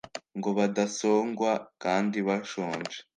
ngo badasongwa kandi bashonje